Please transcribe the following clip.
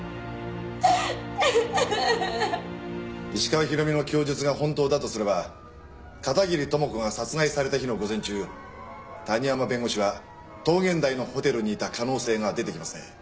石川宏美の供述が本当だとすれば片桐朋子が殺害された日の午前中谷浜弁護士は桃源台のホテルにいた可能性が出てきますね。